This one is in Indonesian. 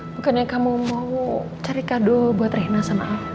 bukannya kamu mau cari kado buat rehina sama aku